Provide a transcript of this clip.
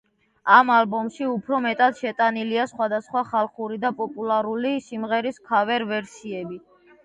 ამ ალბომში უფრო მეტად შეტანილია სხვადასხვა ხალხური და პოპულარული სიმღერის ქავერ-ვერსიები.